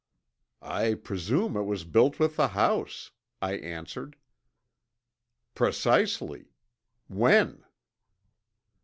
"I presume it was built with the house," I answered. "Precisely. When?"